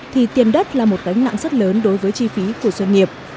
thì tiền đất là một gánh nặng rất lớn đối với chi phí của doanh nghiệp